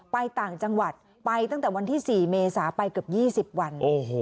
ต่างจังหวัดไปตั้งแต่วันที่๔เมษาไปเกือบ๒๐วัน